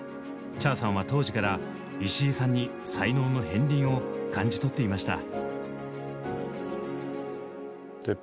Ｃｈａｒさんは当時から石井さんに才能の片鱗を感じ取っていました。